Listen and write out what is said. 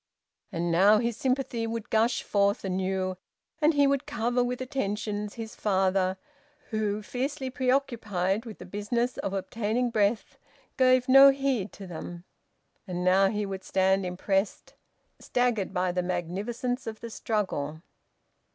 And now his sympathy would gush forth anew, and he would cover with attentions his father, who, fiercely preoccupied with the business of obtaining breath, gave no heed to them. And now he would stand impressed, staggered, by the magnificence of the struggle.